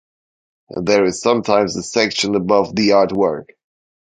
There is sometimes a section above the artwork.